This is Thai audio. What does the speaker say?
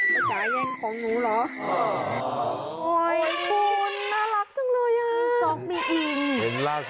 ลุกของหนูเหรอโอ้ยคุณน่ารักจังเลยดูช็อคมีอิงล่าสุด